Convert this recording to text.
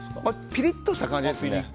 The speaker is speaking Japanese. ピリッとした感じですね。